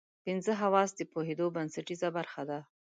پنځه حواس د پوهېدو بنسټیزه برخه ده.